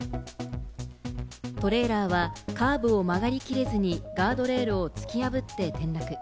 トレーラーはカーブを曲がりきれずにガードレールを突き破って転落。